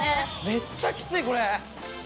めっちゃきついこれ！